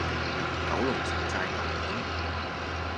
九龍寨城衙門